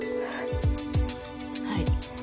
はい。